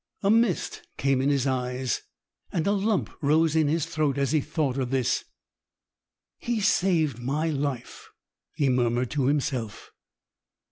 A mist came in his eyes and a lump rose in his throat as he thought of this. "He saved my life," he murmured to himself.